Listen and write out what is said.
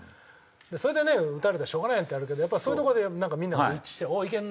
それでね打たれたらしょうがないってなるけどそういうとこでみんなが一致しておおいけるなっていう。